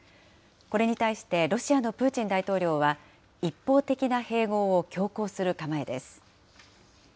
これに対して、ロシアのプーチン大統領は、一方的な併合を強行する構えです。